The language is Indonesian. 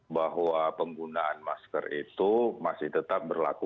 bahwa penggunaan masker itu masih tetap berlaku